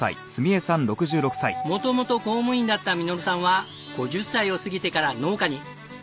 元々公務員だった実さんは５０歳を過ぎてから農家に。